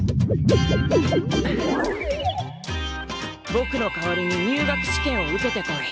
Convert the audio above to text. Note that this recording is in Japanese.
ぼくの代わりに入学試験を受けてこい。